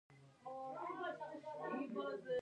په کوټه کښي د پښتو متونو چاپ چندان سابقه نه لري.